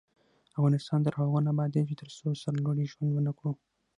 افغانستان تر هغو نه ابادیږي، ترڅو سرلوړي ژوند ونه کړو.